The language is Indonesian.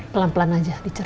pelan pelan saja dicerna